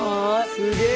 すげえ！